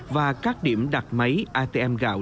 và các điểm đặt máy atm gạo